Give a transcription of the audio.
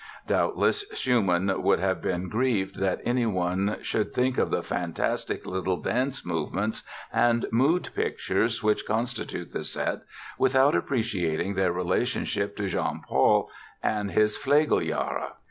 Doubtless Schumann would have been grieved that anyone should think of the fantastic little dance movements and mood pictures which constitute the set without appreciating their relationship to Jean Paul and his "Flegeljahre".